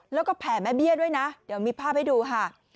แล้วก็แผ่แม่เบี้ยด้วยนะเดี๋ยวมีภาพให้ดูค่ะ